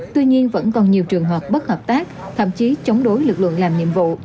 tuy nhiên vẫn còn nhiều trường hợp bất hợp tác thậm chí chống đối lực lượng làm nhiệm vụ